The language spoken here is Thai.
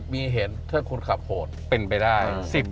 มีเหตุถ้าคุณขับโหดเป็นไปได้